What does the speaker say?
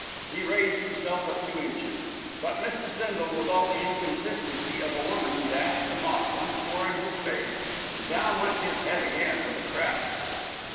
He raised himself a few inches; but Mrs. Bindle, with all the inconsistency of a woman, dashed the mop once more in his face, and down went his head again with a crack.